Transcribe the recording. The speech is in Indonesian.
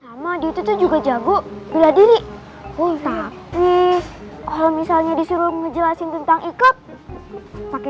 sama di situ juga jago berdiri pun tapi kalau misalnya disuruh ngejelasin tentang ikat pakai